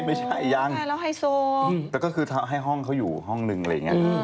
ไม่ใช่ยังแต่ก็คือให้อ้องเขาอยู่ห้องนึงอะไรอย่างนี้